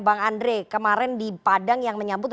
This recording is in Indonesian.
bang andre kemarin di padang yang menyambut